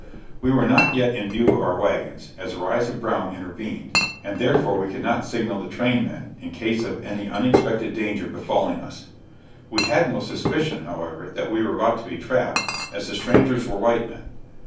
We were not yet in view of our wagons, as a rise of ground intervened, and therefore we could not signal the train men in case of any unexpected danger befalling us. We had no suspicion, however, that we were about to be trapped, as the strangers were white men.